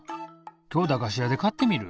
今日だがし屋で買ってみる？